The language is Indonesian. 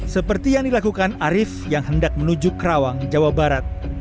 seperti yang dilakukan arief yang hendak menuju kerawang jawa barat